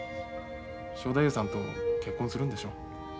正太夫さんと結婚するんでしょ？